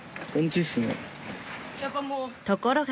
［ところが］